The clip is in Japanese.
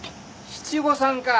七五三か。